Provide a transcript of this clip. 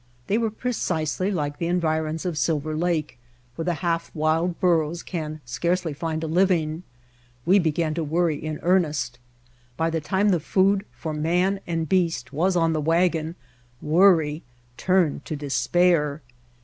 They were precisely like the environs of Silver Lake, where the half wild burros can scarcely find a living. We began to worry in earnest. By the time the food for man and beast was on the wagon worry turned to despair.